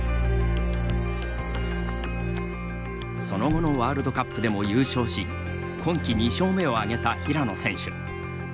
その後のワールドカップでも優勝し今季２勝目を挙げた平野選手。